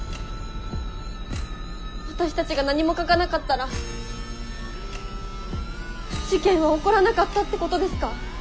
私たちが何も書かなかったら事件は起こらなかったってことですか？